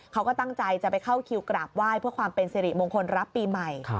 เขาก็ตั้งใจจะไปเข้าคิวกราบไหว้เพื่อความเป็นสิริมงคลรับปีใหม่